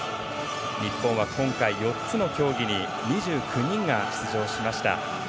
日本は今回４つの競技に２９人が出場しました。